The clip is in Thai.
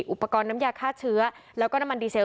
อุปกรณ์น้ำยาฆ่าเชื้อแล้วก็น้ำมันดีเซล